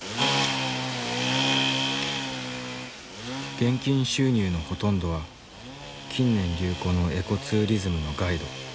現金収入のほとんどは近年流行のエコツーリズムのガイド。